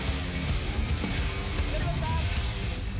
やりました。